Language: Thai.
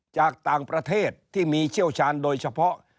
จากต่างประเทศที่มีเชี่ยวชาญโดยเฉพาะ